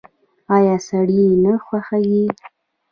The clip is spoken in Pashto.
ایا سر یې نه خوږیږي؟